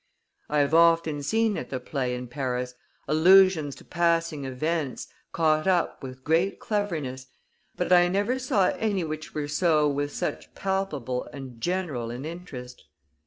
I have often seen at the play in Paris allusions to passing events caught up with great cleverness, but I never saw any which were so with such palpable and general an interest.